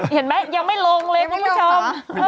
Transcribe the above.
เห็นไหมยังไม่ลงเลยคุณผู้ชม